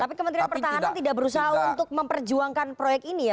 tapi kementerian pertahanan tidak berusaha untuk memperjuangkan proyek ini ya